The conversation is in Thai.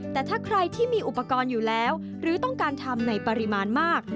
แต่ถ้าใครที่มีอุปกรณ์อยู่แล้วหรือต้องการทำในปริมาณมาก